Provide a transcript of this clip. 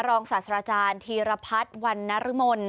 ศาสตราจารย์ธีรพัฒน์วันนรมน